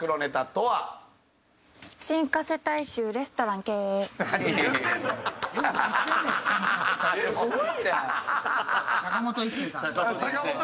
はい。